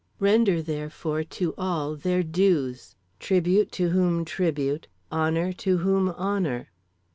"Render therefore to all their dues; tribute to whom tribute; honor to whom honor.